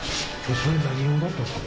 それ何用だったんですか？